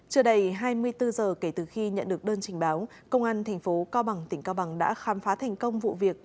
trưa đầy hai mươi bốn giờ kể từ khi nhận được đơn trình báo công an tp cao bằng tỉnh cao bằng đã khám phá thành công vụ việc